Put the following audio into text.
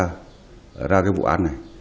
điều tra ra cái vụ án này